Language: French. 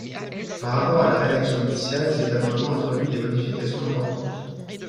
Par rapport à la rédaction initiale, cet amendement introduit des modifications importantes.